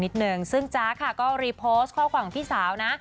หนึ่งซึ่งจ๊ะค่ะก็รีโพสต์ข้อความของพี่สาวนะ